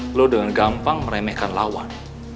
flow dengan gampang meremehkan lawan